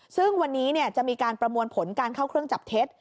ซึ่งวันนี้จะมีการประมวลผลการเข้าเครื่องจับเท็จ